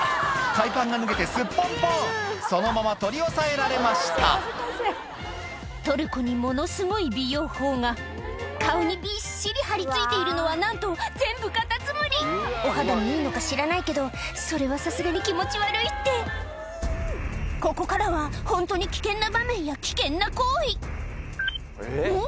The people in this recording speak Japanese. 海パンが脱げてすっぽんぽんそのまま取り押さえられましたトルコにものすごい美容法が顔にびっしり張り付いているのはなんと全部カタツムリお肌にいいのか知らないけどそれはさすがに気持ち悪いってここからはホントに危険な場面や危険な行為ん？